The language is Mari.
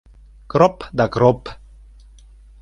Кроп да кроп...